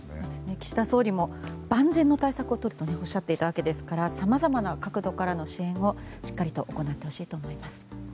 岸田総理も万全の対策をとるとおっしゃっていたのでさまざまな角度からの支援をしっかりと行ってほしいと思います。